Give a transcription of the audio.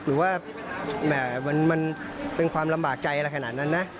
หรือว่ามันเป็นความลำบากใจอะไรขนาดนั้นนะ